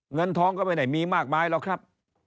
เงินท้องก็ไปไหนมีมากมายแล้วครับ